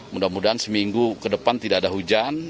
mudah mudahan seminggu ke depan tidak ada hujan